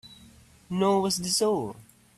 Nor was this all.